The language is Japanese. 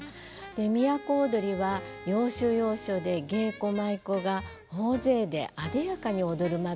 「都をどり」は要所要所で芸妓・舞妓が大勢であでやかに踊る場面があるんですね。